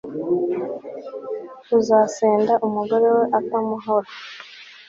uzasenda umugore we atamuhora